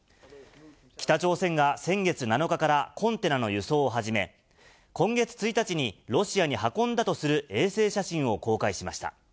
北朝鮮が先月７日からコンテナの輸送を始め、今月１日に、ロシアに運んだとする衛星写真を公開しました。